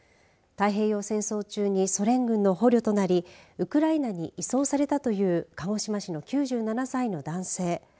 太平洋戦争中にソ連軍の捕虜となりウクライナに移送されたという鹿児島市の９７歳の男性